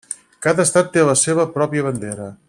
Cada estat té la seva pròpia bandera.